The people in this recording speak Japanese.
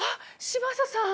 嶋佐さん。